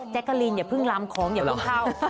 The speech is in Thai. กะลีนอย่าเพิ่งลำของอย่าเพิ่งเข้า